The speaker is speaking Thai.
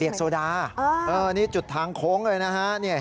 โซดานี่จุดทางโค้งเลยนะฮะ